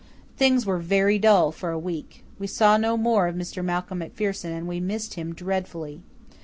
Things were very dull for a week. We saw no more of Mr. Malcolm MacPherson and we missed him dreadfully.